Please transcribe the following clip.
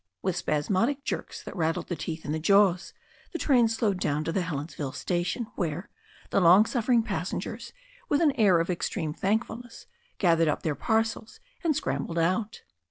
With spasmodic jerks that rattled the teeth in the jaws, the train slowed down to the Helensville station, where the long suffering passengers, with an air of extreme thank fulness, gathered up their parcels and scrambled out.